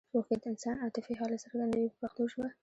اوښکې د انسان عاطفي حالت څرګندوي په پښتو ژبه.